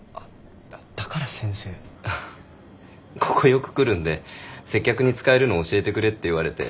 だから「先生」ここよく来るんで接客に使えるの教えてくれって言われて。